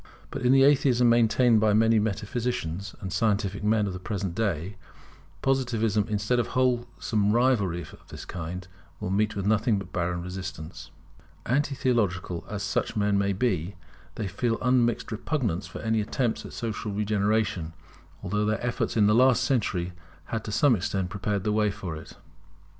But in the Atheism maintained by many metaphysicians and scientific men of the present day, Positivism, instead of wholesome rivalry of this kind, will meet with nothing but barren resistance. Anti theological as such men may be, they feel unmixed repugnance for any attempts at social regeneration, although their efforts in the last century had to some extent prepared the way for it.